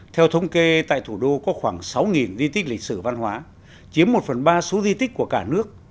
theo thống kê tại thủ đô có khoảng sáu di tích lịch sử văn hóa chiếm một phần ba số di tích của cả nước